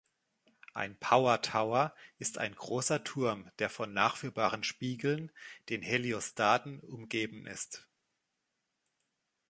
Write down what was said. Ein Power Tower ist ein großer Turm, der von nachführbaren Spiegeln, den Heliostaten, umgeben ist.